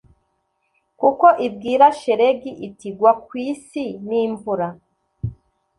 Kuko ibwira shelegi iti gwa ku isi n imvura